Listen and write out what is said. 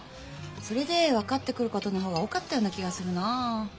それで分かってくることの方が多かったような気がするな。